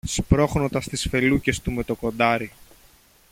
σπρώχνοντας τις φελούκες του με το κοντάρι.